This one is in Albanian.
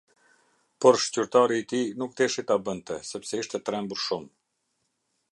Por shqyrtari i tij nuk deshi ta bënte, sepse ishte trembur shumë.